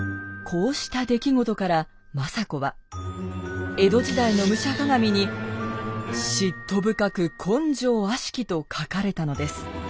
こうした出来事から政子は江戸時代の「武者鑑」に「嫉妬深く根性悪き」と書かれたのです。